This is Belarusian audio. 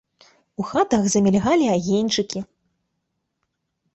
У хатах замільгалі агеньчыкі.